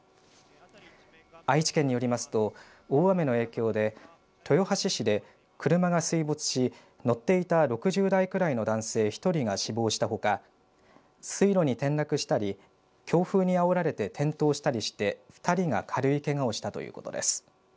愛知県によりますと大雨の影響で豊橋市で車が水没し乗っていた６０代くらいの男性１人が死亡したほか水路に転落したり強風にあおられて転倒したりして２人が軽いけがをしたということです。